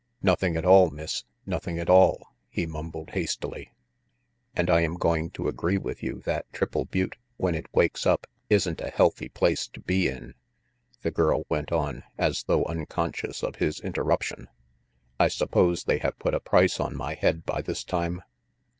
"Nothing at all, Miss; nothing at all," he mumbled hastily. "And I am going to agree with you that Triple Butte, when it wakes up, isn't a healthy place to be in," the girl went on, as though unconscious of his interruption. "I suppose they have put a price on my head by this time?"